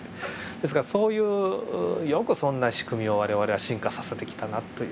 ですからそういうよくそんな仕組みを我々は進化させてきたなという。